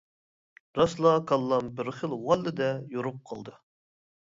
راسلا كاللام بىر خىل ۋاللىدە يورۇپ قالدى.